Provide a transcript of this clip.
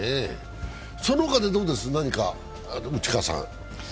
そのほかどうです、何か内川さん？